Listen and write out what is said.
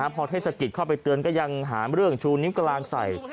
พอเทศกิจเข้าไปเตือนก็ยังหาเรื่องชูนิ้วกลางใส่